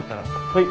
はい。